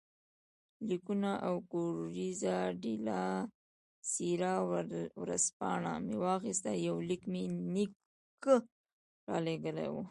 لیکونه او کوریره ډیلا سیرا ورځپاڼه مې واخیستل، یو لیک مې نیکه رالېږلی وو.